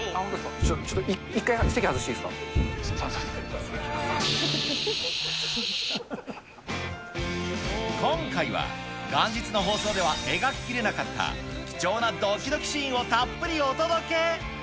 ちょっと一回、今回は、元日の放送では描ききれなかった貴重などきどきシーンをたっぷりお届け。